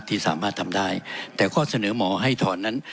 ที่สามารถทำได้แต่ข้อเสนอหมอให้ถอนนั้น